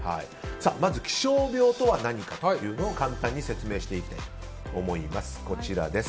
まず気象病とは何かというのを簡単に説明していきたいと思います。